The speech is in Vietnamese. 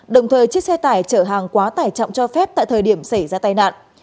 đồng thời chiếc xe tải chở hàng quá tải trọng cho phép tại thời điểm xảy ra tai nạn